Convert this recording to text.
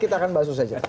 kita akan bahas itu saja